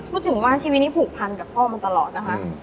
พูดถึงว่าชีวิตนี้ผูกพันกับพ่อมาตลอดนะคะ